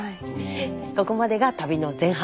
ここまでが旅の前半です。